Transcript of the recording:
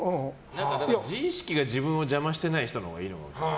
自意識が自分を邪魔してない人のほうがいいのかも。